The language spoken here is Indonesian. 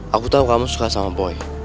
aku tau kamu suka sama boy